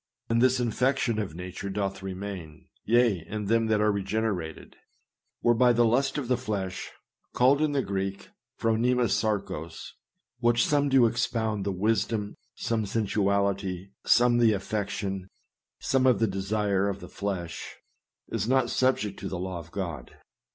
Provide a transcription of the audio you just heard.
And this infection of nature doth remain, yea, in them that are regenerated ; whereby the lust of the flesh, called in the Greek, phronema sarkos, which some do expound the wisdom, some sensuality, some the affection, some the desire, of the flesh, is not subject to the Law of God.